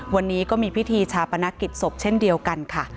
วันนี้ก็มีพิธีชาปนกิจศพเช่นเดียวกันค่ะ